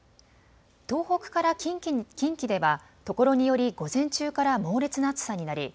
東北から近畿ではところにより午前中から猛烈な暑さになり